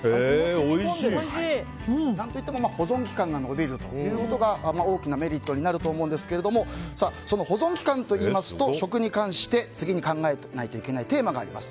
何といっても保存期間が延びるということが大きなメリットになると思うんですがその保存期間といいますと食に関して、次に考えないといけないテーマがあります。